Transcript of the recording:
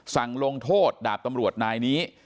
ลงโทษดาบตำรวจนายนี้